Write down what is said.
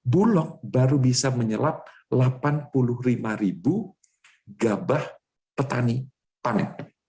bulog baru bisa menyerap delapan puluh lima ribu gabah petani panen